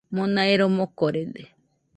Mona ero mokorede.